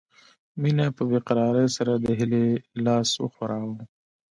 مينې په بې قرارۍ سره د هيلې لاس وښوراوه